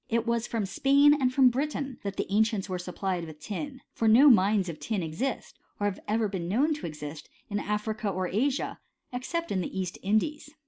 It was from Spain and from Britain that the ancients were supplied with tin ; for no mines of tin exist, or have ever been known to exist, in Africa or Asia, except in the East Indies.